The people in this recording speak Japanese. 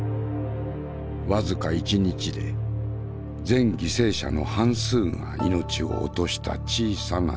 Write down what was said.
僅か一日で全犠牲者の半数が命を落とした小さな島。